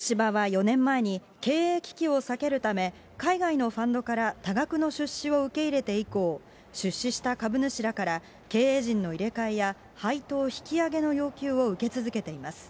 まっとうな経営をしていっていただきたいなと思いますし、そ東芝は４年前に、経営危機を避けるため、海外のファンドから多額の出資を受け入れて以降、出資した株主らから経営陣の入れ替えや、配当引き上げの要求を受け続けています。